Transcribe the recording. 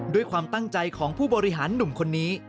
ด้วยความตั้งใจของผู้บริหารหนุ่มคนนี้